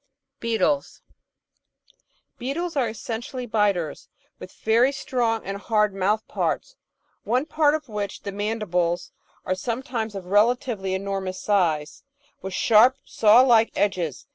Beetles Beetles are essentially biters, with very strong and hard mouth parts, one pair of which, the mandibles, are sometimes of relatively enormous size, with sharp saw like edges.